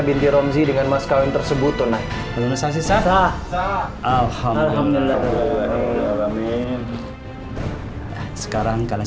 binti romzi dengan mas kawin tersebut onah lulusan sisa alhamdulillah sekarang kalian